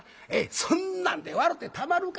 「そんなんで笑てたまるか」。